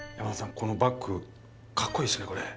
このバッグ格好いいですねこれ。